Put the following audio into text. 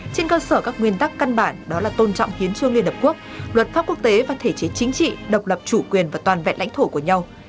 trên cơ sở các nguyên tắc căn bản đó là tôn trọng hiến trương liên hợp quốc luật pháp quốc tế và thể chế chính trị độc lập chủ quyền và toàn vẹn lãnh thổ của nhau